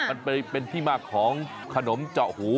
มันไปเป็นที่มาของขนมเจาะหู